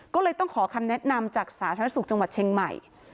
ก็เลยต้องขอคำแนะนำจากสาธารณสุขจังหวัดเชียงใหม่